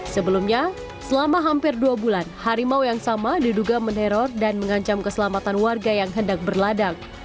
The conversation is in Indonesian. sebelumnya selama hampir dua bulan harimau yang sama diduga meneror dan mengancam keselamatan warga yang hendak berladang